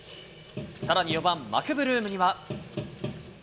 さらに４番マクブルームには。